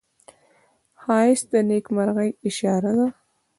ښایست د نیکمرغۍ اشاره ده